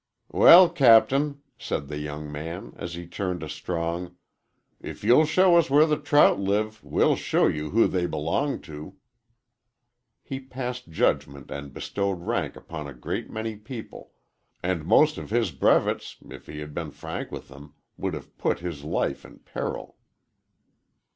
"Well, captain," said the young man, as he turned to Strong, "if you'll show us where the trout live, we'll show you who they belong to." He passed judgment and bestowed rank upon a great many people, and most of his brevets, if he had been frank with them, would have put his life in peril.